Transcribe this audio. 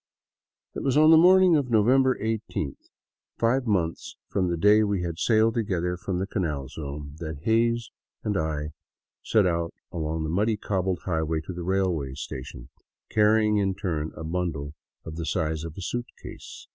It was on the morning of November eighteenth, five months from the day we had sailed together from the Canal Zone, that Hays and I set out along the muddy, cobbled highway to the railway station, carrying in turn a bundle of the size of a suitcase.